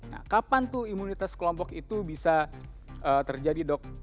nah kapan tuh imunitas kelompok itu bisa terjadi dok